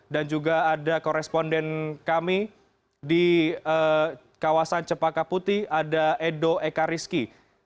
dan juga ada koresponden kami di kawasan cepaka putih ada edo ekariski